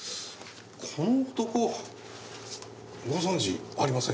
この男ご存じありませんかね？